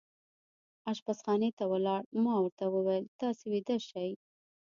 اشپزخانې ته ولاړ، ما ورته وویل: تاسې ویده شئ.